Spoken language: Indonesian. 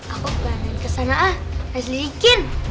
aku belan belan kesana harus diikin